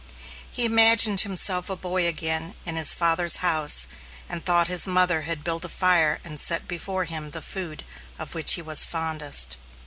He imagined himself a boy again in his father's house and thought his mother had built a fire and set before him the food of which he was fondest.